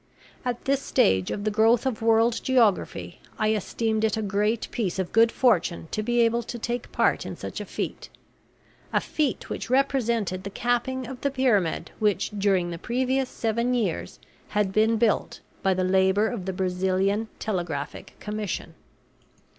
At this stage of the growth of world geography I esteemed it a great piece of good fortune to be able to take part in such a feat a feat which represented the capping of the pyramid which during the previous seven years had been built by the labor of the Brazilian Telegraphic Commission.